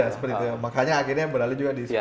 seperti itu ya makanya akhirnya berlari juga di sepeda